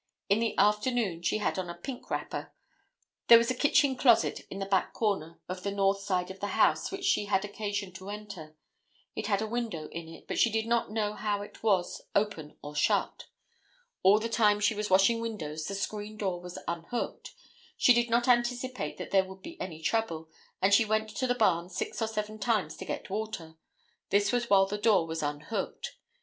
In the afternoon she had on a pink wrapper. There was a kitchen closet in the back corner of the north side of the house which she had occasion to enter; it had a window in it, but she did not know how it was—open or shut; all the time she was washing windows the screen door was unhooked; she did not anticipate that there would be any trouble, and she went to the barn six or seven times to get water; this was while the door was unhooked.